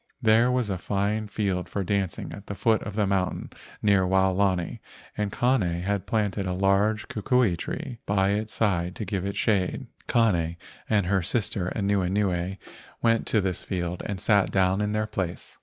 There was a fine field for dancing at the foot of the moun¬ tain near Waolani, and Kane had planted a large kukui tree by its side to give it shade. Kane and his sister Anuenue went to this field and sat down in their place.